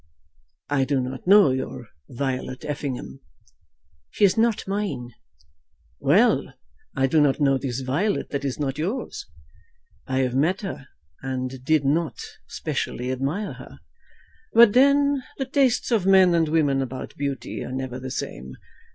I do not know your Violet Effingham." "She is not mine." "Well; I do not know this Violet that is not yours. I have met her, and did not specially admire her. But then the tastes of men and women about beauty are never the same.